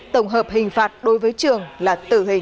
tổng hợp hình phạt đối với trường là tử hình